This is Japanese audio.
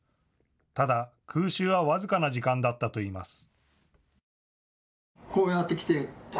ただ、空襲は僅かな時間だったといいます。